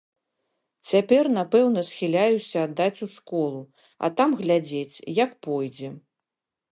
Цяпер напэўна схіляюся аддаць у школу, а там глядзець, як пойдзе.